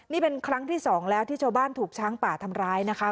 นี่เป็นครั้งที่สองแล้วที่ชาวบ้านถูกช้างป่าทำร้ายนะคะ